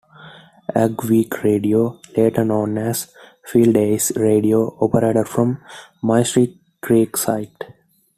Ag Week Radio, later known as Fieldays Radio, operated from the Mystery Creek site.